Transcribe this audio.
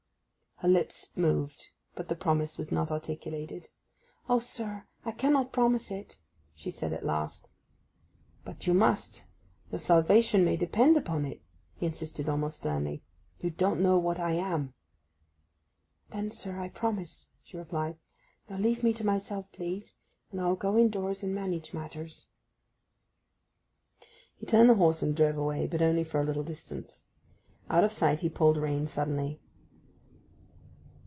Her lips moved, but the promise was not articulated. 'O, sir, I cannot promise it!' she said at last. 'But you must; your salvation may depend on it!' he insisted almost sternly. 'You don't know what I am.' 'Then, sir, I promise,' she replied. 'Now leave me to myself, please, and I'll go indoors and manage matters.' He turned the horse and drove away, but only for a little distance. Out of sight he pulled rein suddenly.